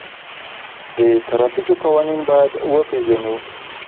د ترافیکو قوانین باید وپیژنو.